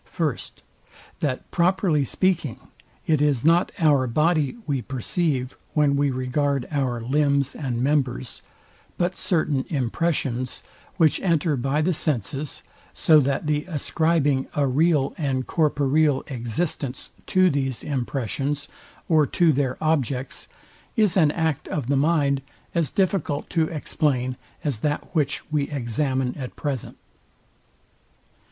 First, That, properly speaking, it is not our body we perceive, when we regard our limbs and members, but certain impressions, which enter by the senses; so that the ascribing a real and corporeal existence to these impressions, or to their objects, is an act of the mind as difficult to explain, as that which we examine at present.